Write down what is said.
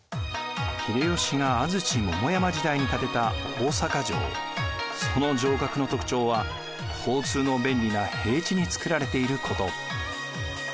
秀吉が安土桃山時代に建てたその城郭の特徴は交通の便利な平地に造られていること。